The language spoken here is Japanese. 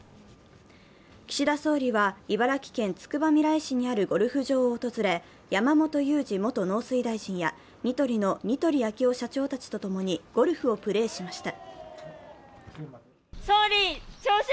岸田総理は、茨城県つくばみらい市にあるゴルフ場を訪れ、山本有二元農水大臣やニトリの似鳥昭雄社長たちとともにゴルフをプレーしました。